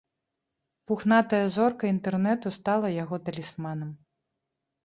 Пухнатая зорка інтэрнэту стала яго талісманам.